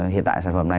hiện tại sản phẩm này